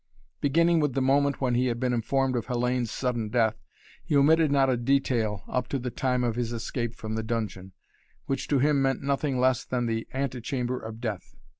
Beginning with the moment when he had been informed of Hellayne's sudden death, he omitted not a detail up to the time of his escape from the dungeon, which to him meant nothing less than the antechamber of death.